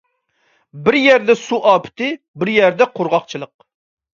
بىر يەردە سۇ ئاپىتى، بىر يەردە قۇرغاقچىلىق.